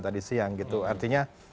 tadi siang gitu artinya